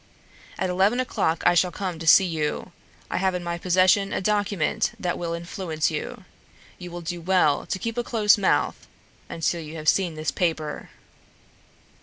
At eleven o'clock I shall come to see you. I have in my possession a document that will influence you. You will do well to keep a close mouth until you have seen this paper."